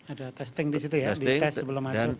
ada testing di situ ya di test sebelum masuk